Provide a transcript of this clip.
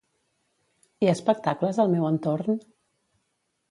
Hi ha espectacles al meu entorn?